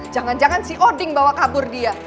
jangan jangan si coding bawa kabur dia